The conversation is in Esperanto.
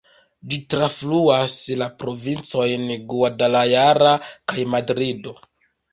Ĝi trafluas la provincojn Guadalajara kaj Madrido.